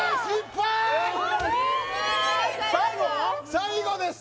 最後です